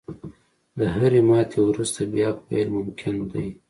• د هرې ماتې وروسته، بیا پیل ممکن دی.